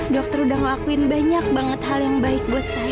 dokter udah ngelakuin banyak banget hal yang baik buat saya